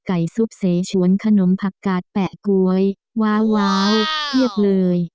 ซุปเสชวนขนมผักกาดแปะก๊วยวาว้าวเพียบเลย